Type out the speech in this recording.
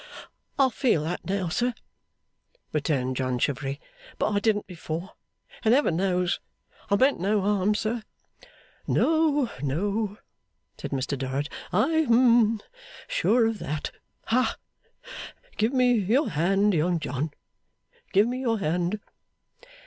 'I feel that now, sir,' returned John Chivery; 'but I didn't before, and Heaven knows I meant no harm, sir.' 'No. No,' said Mr Dorrit. 'I am hum sure of that. Ha. Give me your hand, Young John, give me your hand.